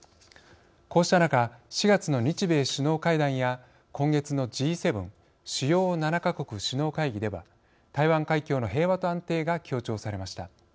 こうした中４月の日米首脳会談や今月のＧ７＝主要７か国首脳会議では台湾海峡の平和と安定が強調されました。